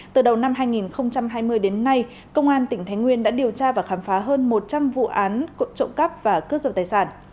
từ đầu năm hai nghìn hai mươi đến nay công an tỉnh thái nguyên đã điều tra và khám phá hơn một trăm linh vụ án trộm cắp và cướp dậu tài sản